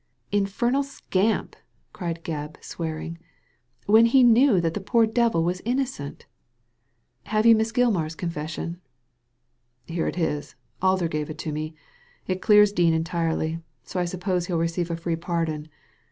"Infernal scampi" cried Gebb, swearing, "when he knew that the poor devil was innocent. Have you Miss Gilmar's confession ?"" Here it is ; Alder gave it to me. It clears Dean entirely, so I suppose he'll receive a free pardon."